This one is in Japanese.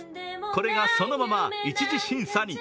これがそのまま１次審査に。